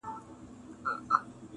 اړولي يې پيسې وې تر ملكونو!!..